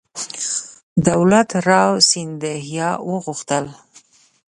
دولت راو سیندهیا وغوښتل.